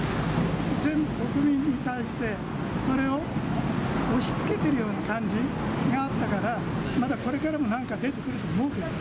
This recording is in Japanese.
全国民に対して、それを押しつけているような感じがあったから、まだ、これからもなんか出てくると思う。